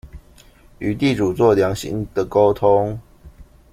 與地主做良性的溝通